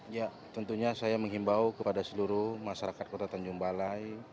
ya tentunya saya menghimbau kepada seluruh masyarakat kota tanjung balai